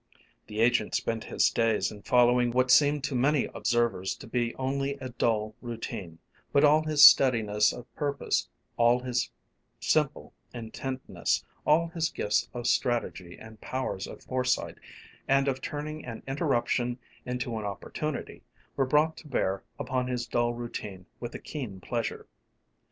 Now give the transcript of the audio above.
The agent spent his days in following what seemed to many observers to be only a dull routine, but all his steadiness of purpose, all his simple intentness, all his gifts of strategy and powers of foresight, and of turning an interruption into an opportunity, were brought to bear upon this dull routine with a keen pleasure.